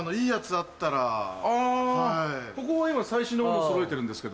あここは今最新のものそろえてるんですけど。